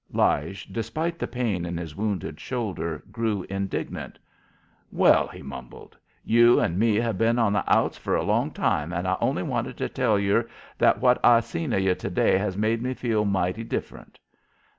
Lige, despite the pain in his wounded shoulder, grew indignant. "Well," he mumbled, "you and me have been on th' outs fer a long time, an' I only wanted to tell ye that what I seen of ye t'day has made me feel mighty different."